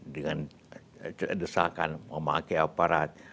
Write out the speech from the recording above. dengan desakan memakai aparat